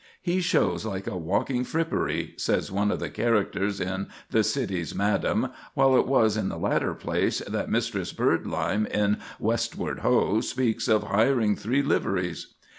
"He shows like a walking frippery," says one of the characters in "The City Madam"; while it was in the latter place that Mistress Birdlime in "Westward Ho" speaks of "hiring three liveries."